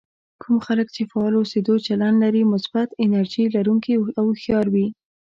کوم خلک چې فعال اوسېدو چلند لري مثبت، انرژي لرونکي او هوښيار وي.